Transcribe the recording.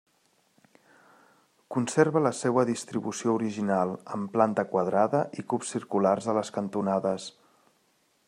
Conserva la seua distribució original, amb planta quadrada i cubs circulars a les cantonades.